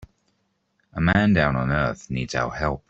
A man down on earth needs our help.